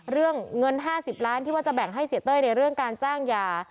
เรื่องเงิน๕๐ล้านที่ว่าจะแบ่งให้เสียเต้ยในเรื่องการจ้างยา